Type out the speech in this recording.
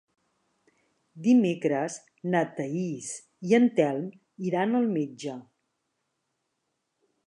Dimecres na Thaís i en Telm iran al metge.